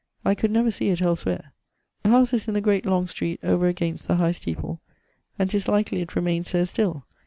I could never see it elswhere. The house is in the great long street, over against the high steeple; and 'tis likely it remaines there still.